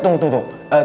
tunggu tunggu tunggu